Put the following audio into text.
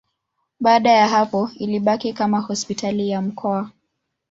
Baada ya hapo ilibaki kama hospitali ya mkoa.